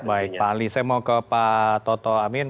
baik pak ali saya mau ke pak toto amin